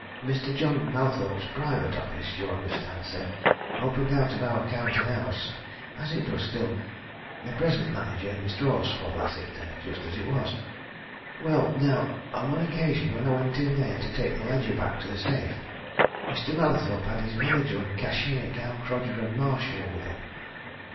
Mr. John Mallathorpe's private office, ye'll understand, sir, opened out of our counting house as it does still the present manager, Mr. Horsfall, has it, just as it was. Well, now, on one occasion, when I went in there, to take a ledger back to the safe, Mr. Mallathorpe had his manager and cashier, Gaukrodger and Marshall in with him. Mr.